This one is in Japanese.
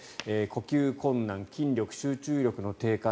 呼吸困難筋力・集中力の低下